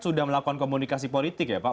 sudah melakukan komunikasi politik ya pak